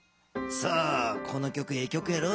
この曲ええ曲やろ？